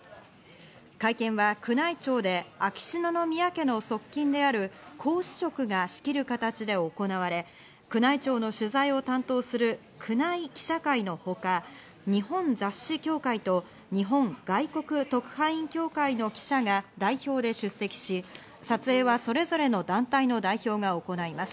会見は宮内庁で秋篠宮家の側近である皇嗣職が仕切る形で行われ、宮内庁の取材を担当する宮内記者会のほか、日本雑誌協会と日本外国特派員協会の記者が代表で出席し、撮影はそれぞれの団体の代表が行います。